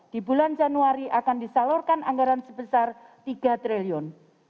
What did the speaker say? di bulan januari akan disalurkan anggaran sebesar tiga triliun